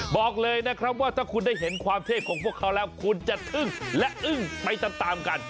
บอกเลยนะครับว่าถ้าคุณได้เห็นความเท่ของพวกเขาแล้วคุณจะทึ่งและอึ้งไปตามกัน